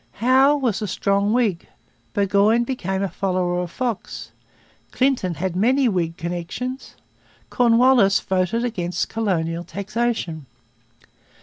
Howe was a strong Whig. Burgoyne became a follower of Fox. Clinton had many Whig connections. Cornwallis voted against colonial taxation.